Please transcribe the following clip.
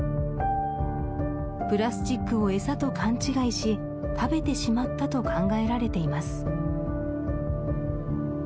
プラスチックをエサと勘違いし食べてしまったと考えられています